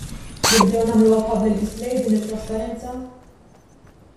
Nibdew nagħmluha public display din it-trasparenza?